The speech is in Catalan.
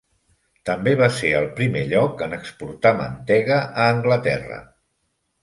També va ser el primer lloc en exportar mantega a Anglaterra.